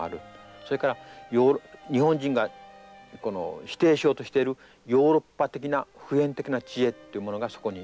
それから日本人が否定しようとしているヨーロッパ的な普遍的な知恵ってものがそこに描かれてる。